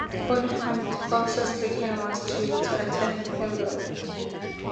Oliphant, also stricken, was too weak to attend her funeral.